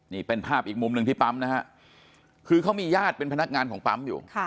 นี่เป็นภาพอีกมุมหนึ่งที่ปั๊มนะฮะคือเขามีญาติเป็นพนักงานของปั๊มอยู่